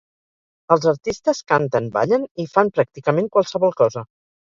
Els artistes canten, ballen i fan pràcticament qualsevol cosa.